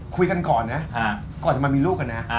คุยกันก่อนนะก่อนจะมามีลูกกันนะ